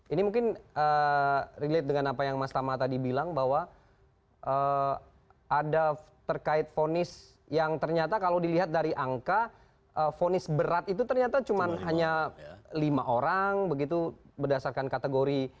ini mungkin relate dengan apa yang mas tama tadi bilang bahwa ada terkait fonis yang ternyata kalau dilihat dari angka fonis berat itu ternyata cuma hanya lima orang begitu berdasarkan kategori